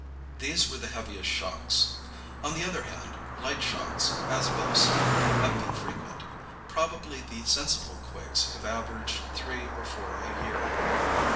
These were the heaviest shocks. On the other hand, light shocks, as above said, have been frequent. Probably the sensible quakes have averaged three or four a year.